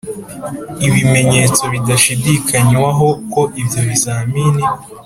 Ibimenyetso bidashidikanywaho ko ibyo bizamini